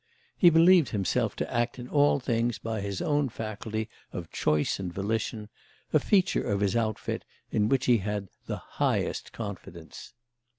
He believed himself to act in all things by his own faculty of choice and volition, a feature of his outfit in which he had the highest confidence.